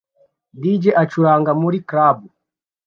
DJ acuranga muri club